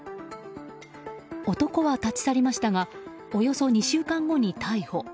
男は立ち去りましたがおよそ２週間後に逮捕。